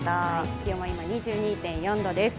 気温は今、２２．４度です。